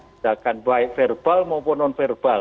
tindakan baik verbal maupun non verbal